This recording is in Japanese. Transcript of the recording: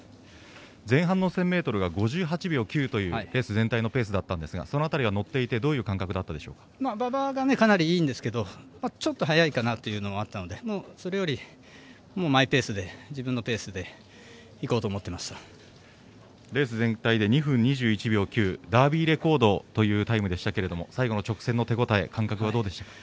前半の１０００ｍは５８秒９というレース全体のペースだったんですがその辺りは乗っていて馬場がかなりいいんですけどちょっと早いかなというのがあったんでそれよりマイペースで自分のペースでレース全体で２分２１秒９ダービーレコードというタイムでしたけど最後の直線の手応え感覚はどうでしたか？